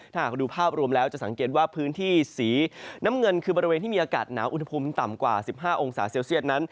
ถ้าหากดูภาพรวมแล้วจะสังเกตว่าพื้นที่สีน้ำเงินคือบริเวณที่มีอากาศหนาวอุณหภูมิต่ำกว่า๑๕องศาเซลเซียตนั้น